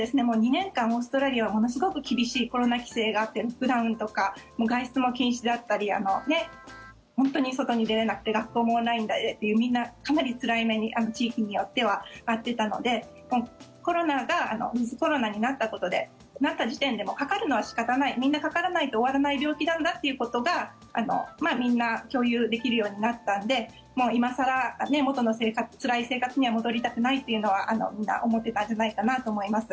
２年間、オーストラリアはものすごく厳しいコロナ規制があって普段とか外出も禁止であったり本当に外に出られなくて学校もオンラインでっていうみんな、かなりつらい目に地域によっては遭ってたのでコロナがウィズコロナになったことで、なった時点でかかるのは仕方ないみんなかからないと終わらない病気なんだということがみんな共有できるようになったのでもう今更、元のつらい生活には戻りたくないというのはみんな思ってたんじゃないかなと思います。